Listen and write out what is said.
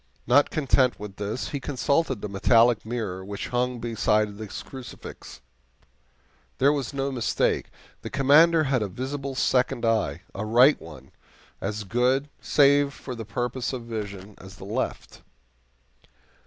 Not content with this, he consulted the metallic mirror which hung beside his crucifix. There was no mistake; the Commander had a visible second eye a right one as good, save for the purposes of vision, as the left.